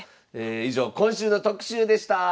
以上今週の特集でした。